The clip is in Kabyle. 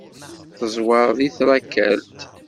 Teẓwer deg trakalt.